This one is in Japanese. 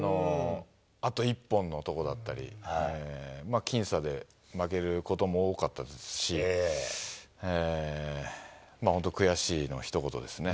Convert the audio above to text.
あと１本のところだったり、僅差で負けることも多かったですし、本当、悔しいのひと言ですね。